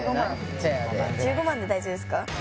ペアで１５万で大丈夫ですか？